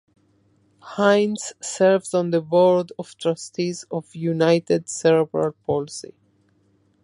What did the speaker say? Hines serves on the Board of Trustees of United Cerebral Palsy.